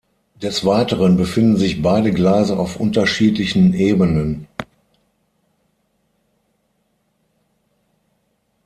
Des Weiteren befinden sich beide Gleise auf unterschiedlichen Ebenen.